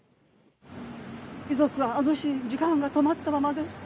遺族はあの日から時間が止まったままです。